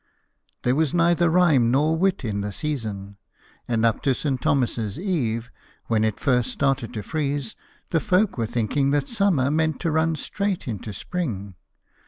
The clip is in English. There was neither rhyme nor wit in the season; and up to St. Thomas's eve, when it first started to freeze, the folk were thinking that summer meant to run straight into spring.